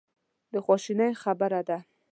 د خواشینۍ خبره ده.